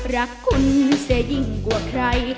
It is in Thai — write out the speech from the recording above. รักคุณเสียยิ่งกว่าใคร